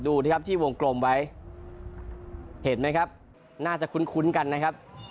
ดูนะครับที่วงกลมไว้เห็นไหมครับน่าจะคุ้นกันนะครับ